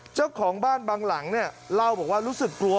เจ้าของบ้านบางหลังเนี่ยเล่าบอกว่ารู้สึกกลัว